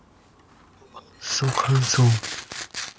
This would make the remains the earliest known examples of "Homo sapiens".